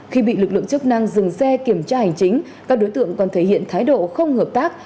khi bị lực lượng chức năng dừng xe kiểm tra hành chính các đối tượng còn thể hiện thái độ không hợp tác